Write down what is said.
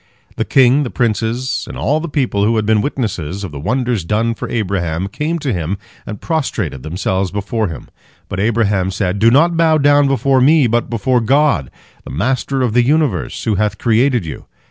The king, the princes, and all the people, who had been witnesses of the wonders done for Abraham, came to him, and prostrated themselves before him. But Abraham said: "Do not bow down before me, but before God, the Master of the universe, who hath created you.